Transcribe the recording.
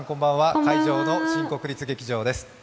会場の新国立劇場です。